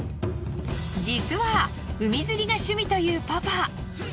実は海釣りが趣味というパパ。